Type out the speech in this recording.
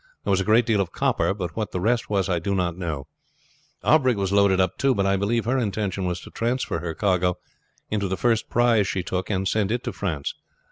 There was a great deal of copper, but what the rest was I do not know. Our brig was loaded up too, but I believe her intention was to transfer her cargo into the first prize she took and send it to France.